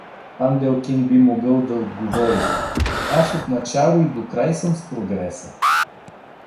Панделкин би могъл да отговори: — Аз отначало и докрай съм с прогреса.